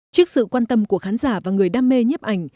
trước sự quan tâm của khán giả và người đam mê nhiếp ảnh